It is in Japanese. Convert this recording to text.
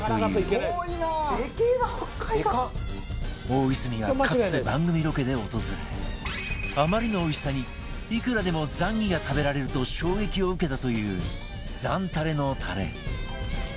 大泉がかつて番組ロケで訪れあまりのおいしさにいくらでもザンギが食べられると衝撃を受けたというザンタレのタレ